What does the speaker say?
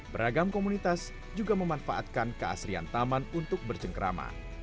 beragam komunitas juga memanfaatkan keasrian taman untuk bercengkrama